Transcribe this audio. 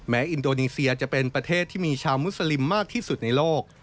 อินโดนีเซียจะเป็นประเทศที่มีชาวมุสลิมมากที่สุดในโลก